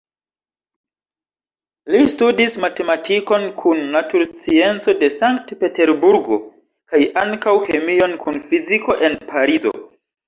Li studis matematikon kun naturscienco en Sankt-Peterburgo, kaj ankaŭ kemion kun fiziko en Parizo.